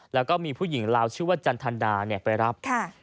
แล้วก็มีผู้หญิงลาวชื่อว่าจันทดาไปรับ